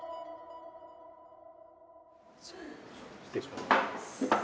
失礼します。